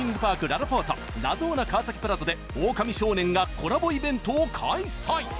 ラゾーナ川崎プラザで「オオカミ少年」がコラボイベントを開催